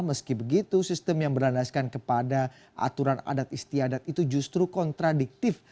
meski begitu sistem yang berandaskan kepada aturan adat istiadat itu justru kontradiktif